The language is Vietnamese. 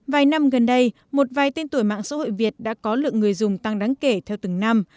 vài năm gần đây một vài tên tuổi mạng xã hội việt đã có lượng người dùng tăng đáng kể theo từng năm